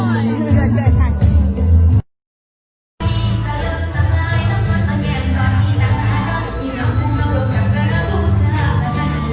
วันนี้ก็คือวันที่ทุกคนได้รู้แล้วนะครับ